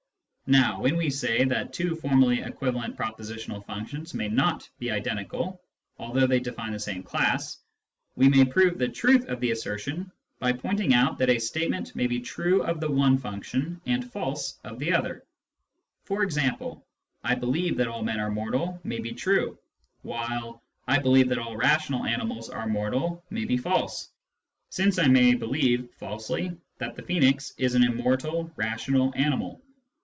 Now, when we say that two formally equivalent pro positional functions may be not identical, although they define the same class, we may prove the truth of the assertion by point ing out that a statement may be true of the one function and false of the other ; e.g. " I believe that all men are mortal " may be true, while " I believe that all rational animals are mortal " may be false, since I may believe falsely that the Phoenix is an immortal rational animal.